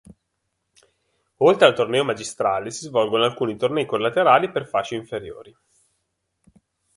Oltre al torneo magistrale si svolgono alcuni tornei collaterali per fasce inferiori.